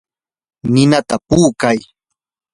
ninata puukay.